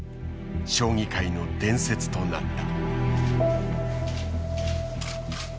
将棋界の伝説となった。